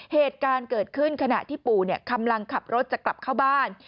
เหตุการณ์เกิดขึ้นขณะที่ปู่กำลังขับรถจะกลับเข้าบ้าน